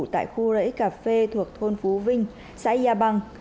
tại khu rẫy cà phê thuộc thôn phú vinh xã yà băng